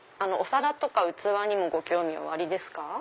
お皿とか器にもご興味おありですか？